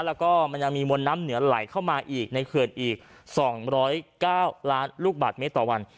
แล้วก็มันยังมีมวลน้ำเหนือไหลเข้ามาอีกในเขื่อนอีก๒๐๙ล้านลูกบาทเมตรต่อวัน